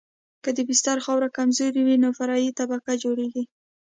که د بستر خاوره کمزورې وي نو فرعي طبقه جوړیږي